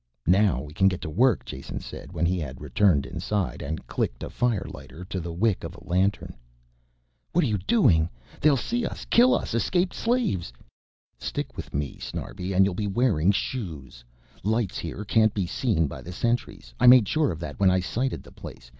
"Now we can get to work," Jason said when he had returned inside, and clicked a firelighter to the wick of a lantern. "What are you doing? They'll see us, kill us escaped slaves." "Stick with me Snarbi and you'll be wearing shoes. Lights here can't be seen by the sentries, I made sure of that when I sited the place.